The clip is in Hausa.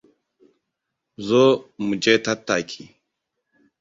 Zo, mu je tattaki.